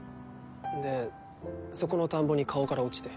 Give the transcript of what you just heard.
でそこの田んぼに顔から落ちて。